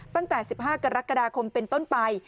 ตั้งแต่๑๕กรกฎาคมเป็นต้นไป